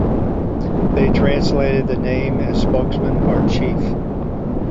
They translated the name as "Spokesman" or "Chief".